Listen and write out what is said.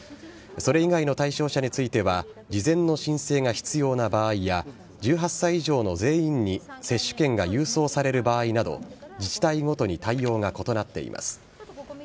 それ以外の対象者については事前の申請が必要な場合や１８歳以上の全員に接種券が郵送される場合など自治体ごとに対応が異なっています。